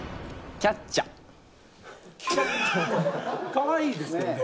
かわいいですけどね。